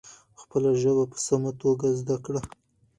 خپله ژبه په سمه توګه زده کړه.